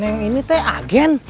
neng ini teh agen